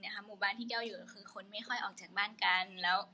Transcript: หมู่บ้านที่แก้วอยู่ก็คือคนไม่ค่อยออกจากบ้านกัน